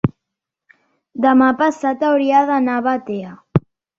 demà passat hauria d'anar a Batea.